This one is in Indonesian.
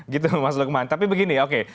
gitu mas lukman tapi begini oke